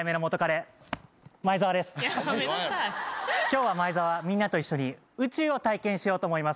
今日はみんなと一緒に宇宙を体験しようと思います。